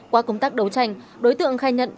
qua công tác đấu tranh đối tượng khai nhận